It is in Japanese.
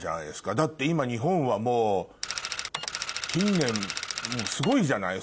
だって今日本はもう近年すごいじゃない？